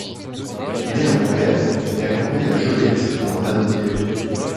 Né à Montréal, il a grandi à Joliette, dans Lanaudière.